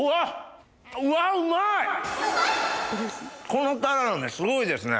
このタラの芽すごいですね。